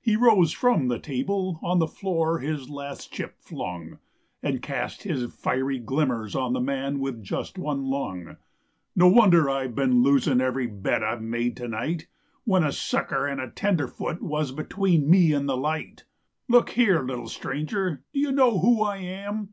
He rose from the table, on the floor his last chip flung, And cast his fiery glimmers on the man with just one lung. "No wonder I've been losing every bet I made tonight When a sucker and a tenderfoot was between me and the light. Look here, little stranger, do you know who I am?"